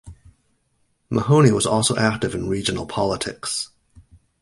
Mahony was also active in regional politics.